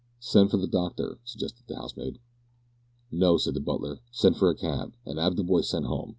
"Send for the doctor," suggested the housemaid. "No," said the butler, "send for a cab, and 'ave the boy sent home.